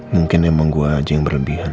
mungkin emang gue aja yang berlebihan